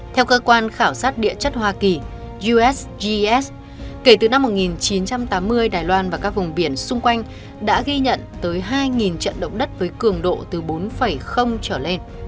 theo cơ quan khảo sát địa chất hoa kỳ usgs kể từ năm một nghìn chín trăm tám mươi đài loan và các vùng biển xung quanh đã ghi nhận tới hai trận động đất với cường độ từ bốn trở lên